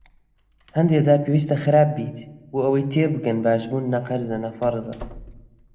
هەندێ جار پێویسـتە خراپ بیت بۆ ئەوەی تێبگەن باش بوون نەقـەرزە نە فـەرزە